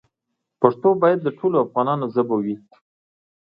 پښتو باید د ټولو افغانانو ژبه وي.